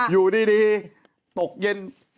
อยู่ดีตกเย็น